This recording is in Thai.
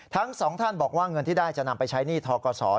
ทั้งสองท่านบอกว่าเงินที่ได้จะนำไปใช้หนี้ทกศ